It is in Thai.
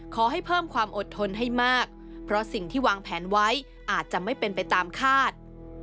ขอให้เพิ่มความอดทนให้มากเพราะสิ่งที่วางแผนไว้อาจจะไม่เป็นไปตามคาด